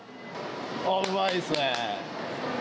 うまいですね。